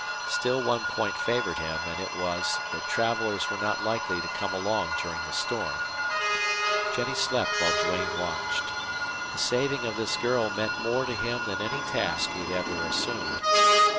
Still one point favored him, and it was that travelers were not likely to come along during the storm. Jennie slept while Duane watched. The saving of this girl meant more to him than any task he had ever assumed.